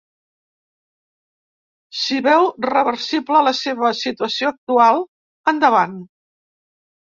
Si veu reversible la seva situació actual, endavant.